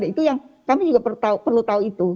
itu yang kami juga perlu tahu itu